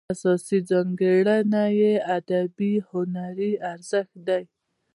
اساسي ځانګړنه یې ادبي هنري ارزښت دی.